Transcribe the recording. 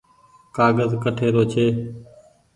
ڪآگز ڪٺي رو ڇي ۔